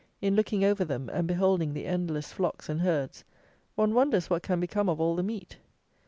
In looking over them, and beholding the endless flocks and herds, one wonders what can become of all the meat!